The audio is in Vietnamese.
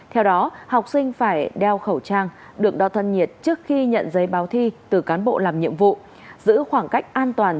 theo đó học sinh phải đeo khẩu trang được đo thân nhiệt trước khi nhận giấy báo thi từ cán bộ làm nhiệm vụ giữ khoảng cách an toàn